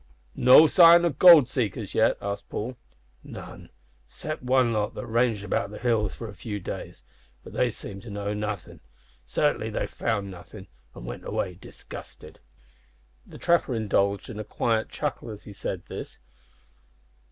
"No sign o' gold seekers yet?" asked Paul. "None 'cept one lot that ranged about the hills for a few days, but they seemed to know nothin'. Sartinly they found nothin', an' went away disgusted." The trapper indulged in a quiet chuckle as he said this.